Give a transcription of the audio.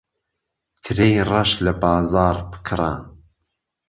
ترێی ڕەش لە بازاڕ بکڕە.